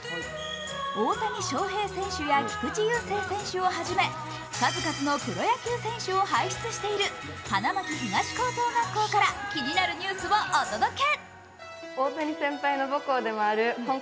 大谷翔平選手や菊池雄星選手ら数々のプロ野球選手を輩出している花巻東高等学校から気になるニュースをお届け。